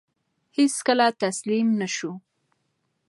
هیڅکله تسلیم نه شو.